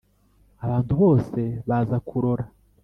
abantu bose baza kurora